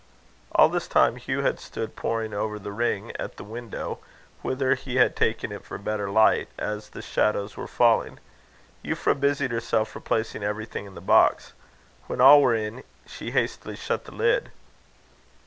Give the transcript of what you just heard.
All this time Hugh had stood poring over the ring at the window, whither he had taken it for better light, as the shadows were falling. Euphra busied herself replacing everything in the box. When all were in, she hastily shut the lid.